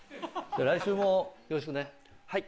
来週もよろしくね。